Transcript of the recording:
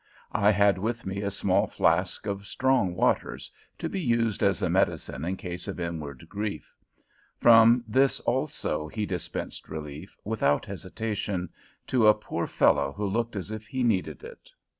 I had with me a small flask of strong waters, to be used as a medicine in case of inward grief. From this, also, he dispensed relief, without hesitation, to a poor fellow who looked as if he needed it.